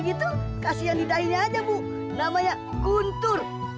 tidak akan tinggal dalam kuaku